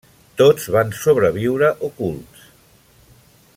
Tots van sobreviure ocults.